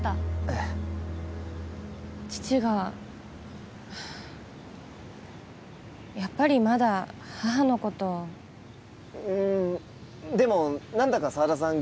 ええ父がやっぱりまだ母のことうんでも何だか沢田さん